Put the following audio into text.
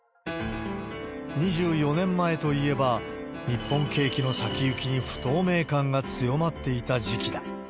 ２４年前といえば、日本景気の先行きに不透明感が強まっていた時期だ。